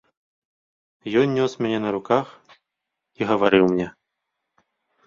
Ён нёс мяне на руках і гаварыў мне.